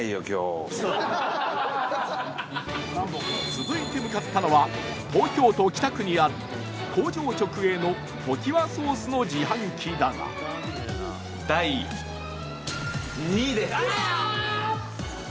続いて向かったのは東京都北区にある工場直営のトキハソースの自販機だがあーっ！